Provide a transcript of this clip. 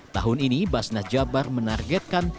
tahun ini basnes jawa barat mencapai satu empat miliar rupiah